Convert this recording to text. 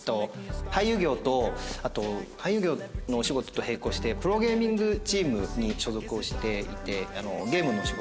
俳優業とあと俳優業のお仕事と並行してプロゲーミングチームに所属をしていてゲームのお仕事